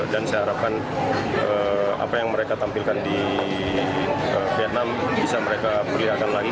dan saya harapkan apa yang mereka tampilkan di vietnam bisa mereka perlihatkan lagi